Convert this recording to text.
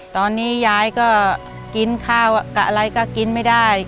ตอนนี้ยายก็กินข้าวกับอะไรก็กินไม่ได้